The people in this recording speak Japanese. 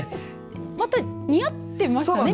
また、似合っていましたね